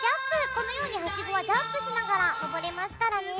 このようにはしごはジャンプしながら上れますからね。